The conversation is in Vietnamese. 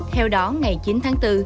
theo đó ngày chín tháng bốn